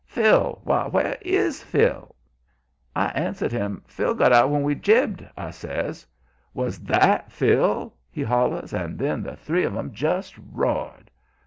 Phil why, where IS Phil?" I answered him. "Phil got out when we jibed," I says. "Was THAT Phil?" he hollers, and then the three of 'em just roared.